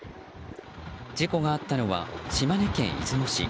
事故があったのは島根県出雲市。